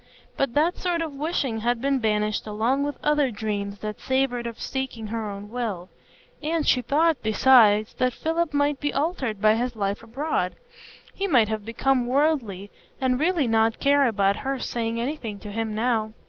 But that sort of wishing had been banished along with other dreams that savored of seeking her own will; and she thought, besides, that Philip might be altered by his life abroad,—he might have become worldly, and really not care about her saying anything to him now.